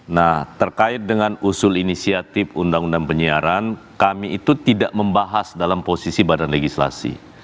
nah terkait dengan usul inisiatif undang undang penyiaran kami itu tidak membahas dalam posisi badan legislasi